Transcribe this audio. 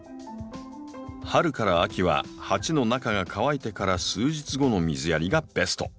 春から秋は鉢の中が乾いてから数日後の水やりがベスト。